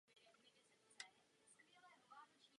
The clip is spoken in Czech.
Věnuje se charitě a to převážně nemocným dětem a zvířatům.